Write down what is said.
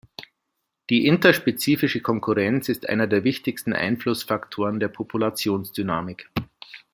Die interspezifische Konkurrenz ist einer der wichtigsten Einflussfaktoren der Populationsdynamik.